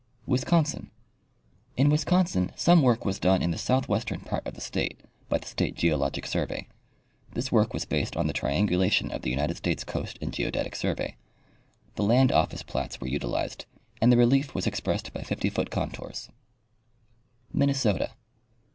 Wisconsin. — In Wisconsin some work was done in the south western part of the state by the state geologic survey. This work was based on the triangulation of the United States Coast and Geodetic survey. The Land office plats were utilized and the relief was expressed by 50 foot contours. Minnesota.